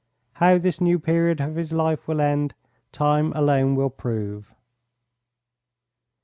How this new period of his life will end time alone will prove.